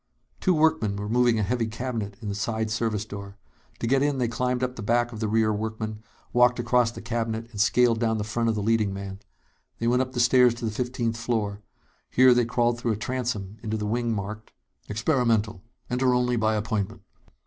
Two workmen were moving a heavy cabinet in the side service door. To get in, they climbed up the back of the rear workman, walked across the cabinet, and scaled down the front of the leading man. They went up the stairs to the fifteenth floor. Here they crawled through a transom into the wing marked: "Experimental. Enter Only By Appointment."